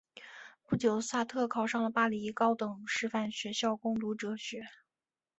不久萨特考上了巴黎高等师范学校攻读哲学。